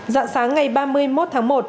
giọng sáng ngày ba mươi một tháng năm